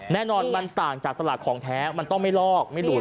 แน่นอนมันต่างจากสลากของแท้มันต้องไม่ลอกไม่ดูด